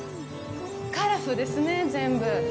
カラフルですね、全部。